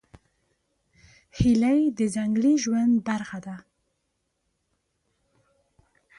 هیلۍ د ځنګلي ژوند برخه ده